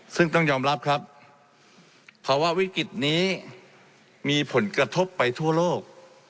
ซึ่งต้องยอมรับครับภาวะวิกฤตนี้มีผลกระทบไปทั่วโลก